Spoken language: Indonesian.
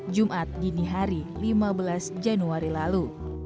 jumat dini hari lima belas januari lalu